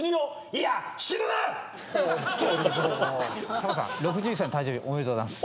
貴さん６１歳の誕生日おめでとうございます。